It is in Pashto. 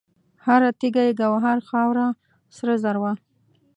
هر تیږه یې ګوهر، خاوره سره زر وه